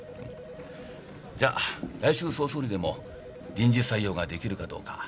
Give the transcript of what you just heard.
じゃ来週早々にでも臨時採用ができるかどうか通知をします。